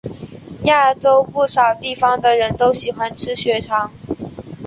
亚洲不少地方的人都喜欢吃血肠。